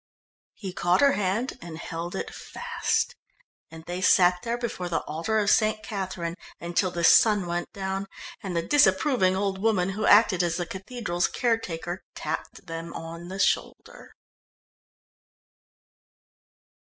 He caught her hand and held it fast, and they sat there before the altar of St. Catherine until the sun went down and the disapproving old woman who acted as the cathedral's caretaker tapped them on the shoulder.